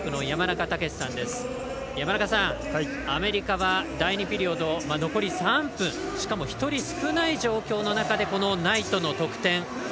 山中さん、アメリカは第２ピリオド、残り３分しかも１人少ない状況の中でナイトの得点。